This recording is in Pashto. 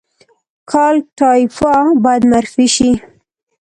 کالтура باید معرفي شي